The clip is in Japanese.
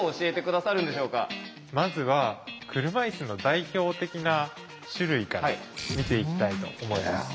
まずは車いすの代表的な種類から見ていきたいと思います。